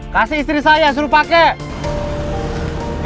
kasih istri saya suruh pakai